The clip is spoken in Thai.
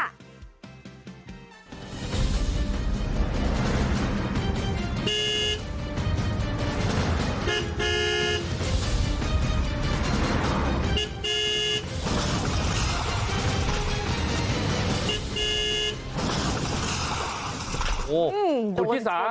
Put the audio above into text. โอ้โหขุนที่สา